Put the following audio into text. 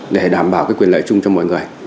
để đảm bảo cái quyền lợi chung cho mọi người